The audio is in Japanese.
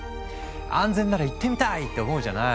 安全なら行ってみたい！って思うじゃない？